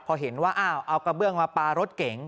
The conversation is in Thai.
พอเห็นว่าอ้าวเอากระเบื้องมาปลารถเก๋ง